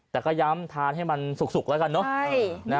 แต่ก็ย้ำทานให้มันสุกแล้วกันเนอะ